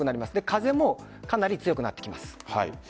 風もかなり強くなってきます。